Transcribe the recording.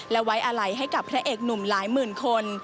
และไว้อาลัยให้กับพระเอกหนุ่มหลายหมื่นคน